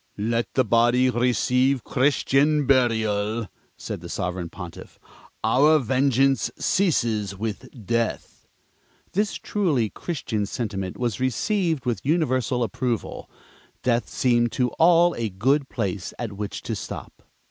"Let the body receive Christian burial," said the Sovereign Pontiff. "Our vengeance ceases with death." This truly Christian sentiment was received with universal approval. Death seemed to all a good place at which to stop.